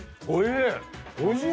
おいしい。